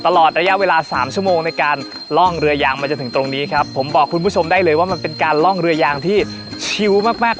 ตลอดระยะเวลาสามชั่วโมงในการล่องเรือยางมาจนถึงตรงนี้ครับผมบอกคุณผู้ชมได้เลยว่ามันเป็นการล่องเรือยางที่ชิวมากมาก